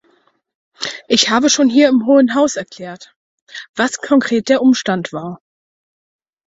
Ich habe schon hier im Hohen Haus erklärt, was konkret der Umstand war.